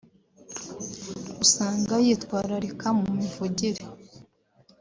usanga yitwararika mu mivugire